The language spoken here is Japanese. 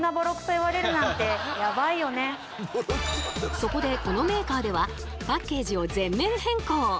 そこでこのメーカーではパッケージを全面変更！